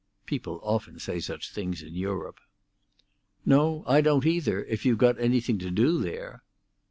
People often say such things in Europe. "No, I don't either, if you've got anything to do there."